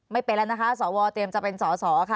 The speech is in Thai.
ไม่เป็นแล้วนะคะสวประเทศวอลเตรียมจะเป็นสสค่ะ